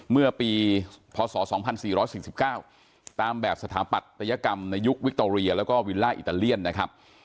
เมื่อปีพศ๒๔๔๙ตามแบบสถาปัตยกรรมในยุควิคโตเรียแล้วก็วิลล่าอิตาเลียนนะครับ